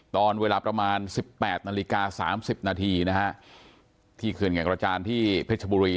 ตอนเวลาประมาณ๑๘นาฬิกา๓๐นาทีนะฮะที่เขื่อนแก่งกระจานที่เพชรบุรี